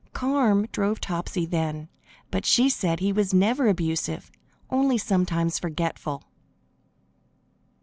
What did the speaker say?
Carm drove Topsy then, but she said he was never abusive, only sometimes forgetful.